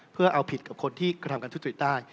เพื่อเอาผิดกับคนที่กระทำการทุจริตได้